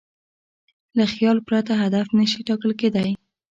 له خیال پرته هدف نهشي ټاکل کېدی.